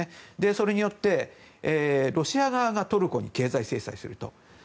それによって、ロシア側がトルコに経済制裁すると。